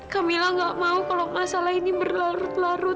camilla gak mau kalau masalah ini berlalu